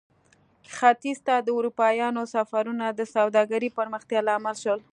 ختیځ ته د اروپایانو سفرونه د سوداګرۍ پراختیا لامل شول.